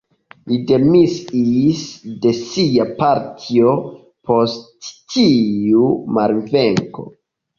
Li demisiis de sia partio, post tiu malvenko.